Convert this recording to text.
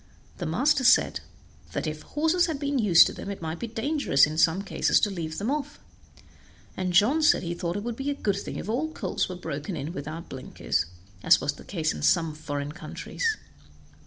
The master said that 'if horses had been used to them, it might be dangerous in some cases to leave them off'; and John said he thought it would be a good thing if all colts were broken in without blinkers, as was the case in some foreign countries.